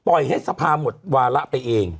ให้สภาหมดวาระไปเอง